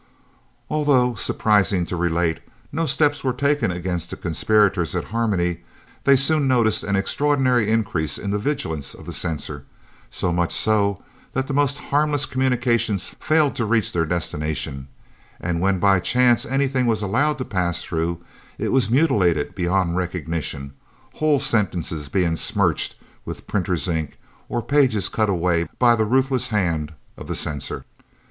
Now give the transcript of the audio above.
Although, surprising to relate, no steps were taken against the conspirators at Harmony, they soon noticed an extraordinary increase in the vigilance of the censor, so much so, that the most harmless communications failed to reach their destination, and when by chance anything was allowed to pass through it was mutilated beyond recognition, whole sentences being smirched with printer's ink or pages cut away by the ruthless hand of the censor.